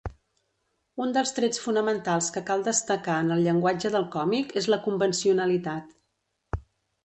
Un dels trets fonamentals que cal destacar en el llenguatge del còmic és la convencionalitat.